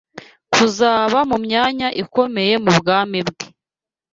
kuzaba mu myanya ikomeye mu bwami bwe